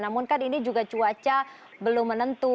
namun kan ini juga cuaca belum menentu